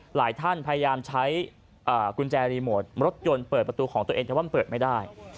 หลายท่านพยายามใช้กุญแจรีโมทรถยนต์เปิดประตูของตัวเองแต่ว่ามันเปิดไม่ได้